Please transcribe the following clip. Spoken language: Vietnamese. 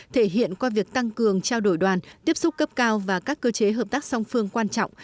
thể hiện qua việc tăng cường trao đổi đoàn tiếp xúc cấp cao và các cơ chế hợp tác song phương quan trọng